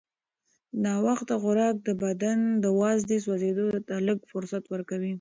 ناوخته خوراک د بدن د وازدې سوځېدو ته لږ فرصت ورکوي.